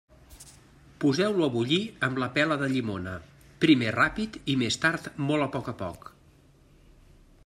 Poseu-ho a bullir amb la pela de llimona, primer ràpid i més tard molt a poc a poc.